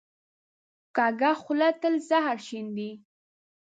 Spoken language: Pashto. کوږه خوله تل زهر شیندي